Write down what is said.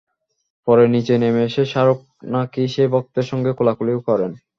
পরে নিচে নেমে এসে শাহরুখ নাকি সেই ভক্তের সঙ্গে কোলাকুলিও করেন।